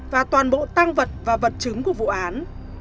và toàn bộ tăng vật và vật chứng của vụ án